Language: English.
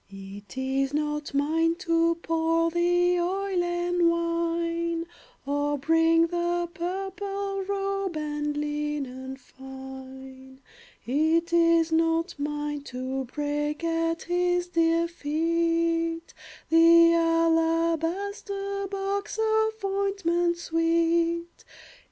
It is not mine to pour The oil and wine, Or bring the purple robe And linen fine. It is not mine to break At his dear feet The alabaster box Of ointment sweet.